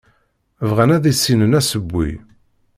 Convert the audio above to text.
Bɣan ad issinen asewwi.